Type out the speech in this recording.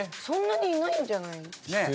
そんなにいないんじゃないの？